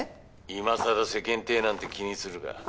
今更世間体なんて気にするか。